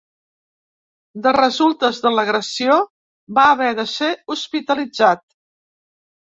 De resultes de l’agressió va haver de ser hospitalitzat.